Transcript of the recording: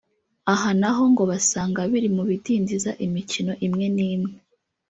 aha naho ngo basanga biri mubidindiza imikino imwe n’imwe